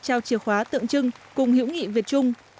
trao chìa khóa tượng trưng cung hiểu nghị việt trung